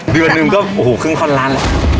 เดือนหนึ่งก็โอ้โหครึ่งข้อนล้าน